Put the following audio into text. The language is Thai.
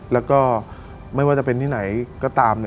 แล้วก็ไม่ว่าจะเป็นที่ไหนก็ตาม